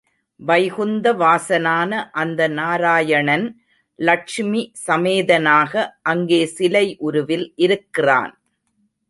வைகுந்த வாசனான அந்த நாராயணன், லட்சுமி சமேதனாக அங்கே சிலை உருவில் இருக்கிறான்.